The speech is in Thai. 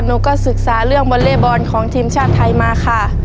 หนูก็ศึกษาเรื่องวอเล่บอลของทีมชาติไทยมาค่ะ